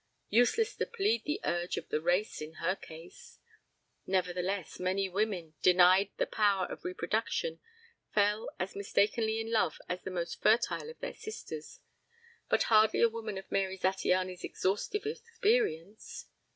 Useless to plead the urge of the race in her case. ... Nevertheless, many women, denied the power of reproduction fell as mistakenly in love as the most fertile of their sisters. But hardly a woman of Mary Zattiany's exhaustive experience!